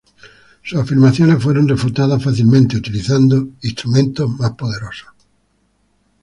Sus afirmaciones fueron refutadas fácilmente utilizando instrumentos más poderosos.